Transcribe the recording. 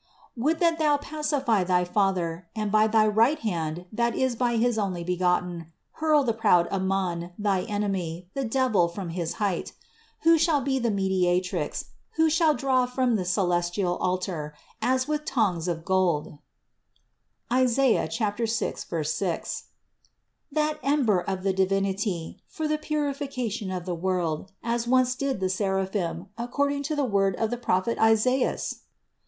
Would that Thou pacify thy Father, and, by thy right hand that is by his Onlybegotten, hurl the proud Aman, thy enemy, the devil, from his height ! Who shall be the Mediatrix, who shall draw from the celestial altar, as with tongs of gold (Is. 6, 6), that ember of the Divinity, for the purification of the world, as once did the seraphim, ac cording to the word of the prophet Isaias!"